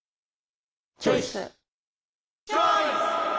チョイス！